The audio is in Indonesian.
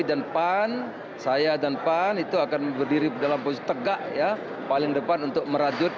dan pan saya dan pan itu akan berdiri dalam posisi tegak paling depan untuk merajut